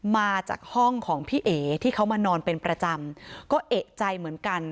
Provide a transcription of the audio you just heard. มาจากห้องของพี่เอ๋ที่เขามานอนเป็นประจำก็เอกใจเหมือนกัน